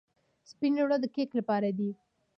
سپین اوړه د کیک لپاره دي.